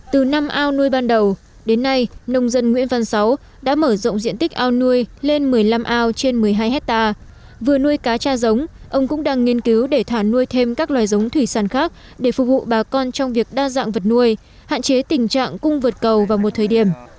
từ năm ao nuôi ban đầu đến nay nông dân nguyễn văn sáu đã mở rộng diện tích ao nuôi lên một mươi năm ao trên một mươi hai hectare vừa nuôi cá cha giống ông cũng đang nghiên cứu để thả nuôi thêm các loài giống thủy sản khác để phục vụ bà con trong việc đa dạng vật nuôi hạn chế tình trạng cung vượt cầu vào một thời điểm